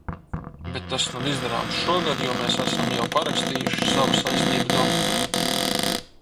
Bet tas nav izdarāms šogad, jo mēs esam jau parakstījuši savu saistību dokumentu.